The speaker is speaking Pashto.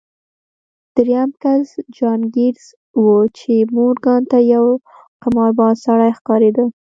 درېيم کس جان ګيټس و چې مورګان ته يو قمارباز سړی ښکارېده.